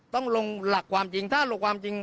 ต้องลงหลักความจริงถ้าลงความจริง